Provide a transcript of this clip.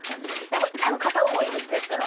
でも片思いの人やったら。